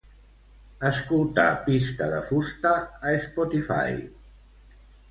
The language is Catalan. Escoltar "Pista de fusta" a Spotify.